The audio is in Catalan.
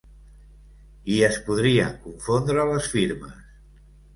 ...i es podrien confondre les firmes.